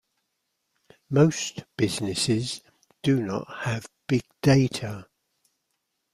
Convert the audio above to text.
Most businesses do not have big data.